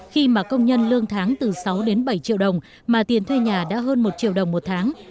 khi mà công nhân lương tháng từ sáu đến bảy triệu đồng mà tiền thuê nhà đã hơn một triệu đồng một tháng